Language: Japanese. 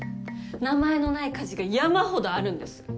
名前のない家事が山ほどあるんです。